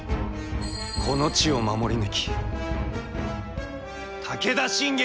この地を守り抜き武田信玄に勝つ！